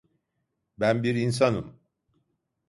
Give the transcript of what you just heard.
Ben bir insanım!